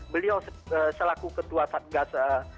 beliau selaku ketua satgas